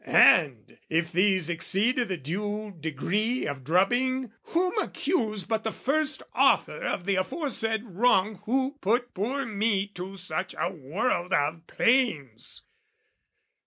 and if these exceed I' the due degree of drubbing, whom accuse But the first author of the aforesaid wrong Who put poor me to such a world of pains?